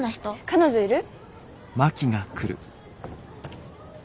彼女いる？